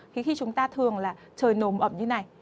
thì khi chúng ta thường là trời nồm ẩm như này